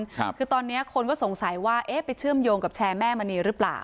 คือตอนเนี้ยคนก็สงสัยว่าเอ๊ะไปเชื่อมโยงกับแชร์แม่มณีหรือเปล่า